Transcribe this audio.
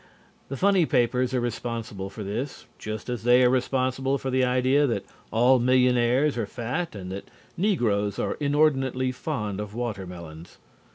The funny papers are responsible for this, just as they are responsible for the idea that all millionaires are fat and that Negroes are inordinately fond of watermelons.